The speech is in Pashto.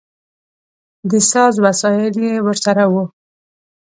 د ساز وسایل یې ورسره و.